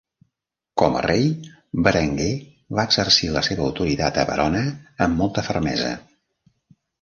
Com a rei, Berenguer va exercir la seva autoritat a Verona amb molta fermesa.